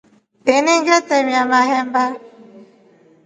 Ini ngitremia mahemba.